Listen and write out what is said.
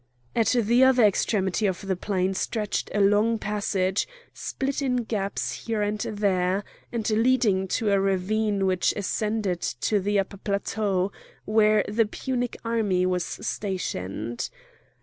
At the other extremity of the plain stretched a long passage, split in gaps here and there, and leading to a ravine which ascended to the upper plateau, where the Punic army was stationed.